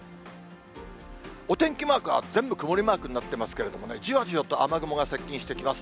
お天気マークは全部、曇りマークになってますけれどもね、じわじわと雨雲が接近してきます。